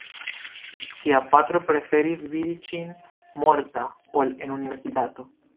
Ŝia patro preferis vidi ŝin morta ol en Universitato.